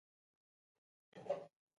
له غلطي وروسته سمدستي وجدان رابيدار شي.